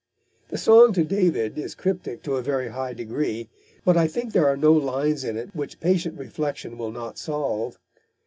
The Song to David is cryptic to a very high degree, but I think there are no lines in it which patient reflection will not solve.